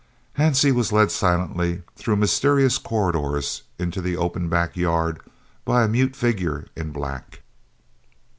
Hansie was led silently through mysterious corridors into the open back yard, by a mute figure in black.